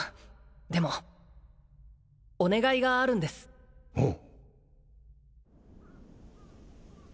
でもお願いがあるんですほう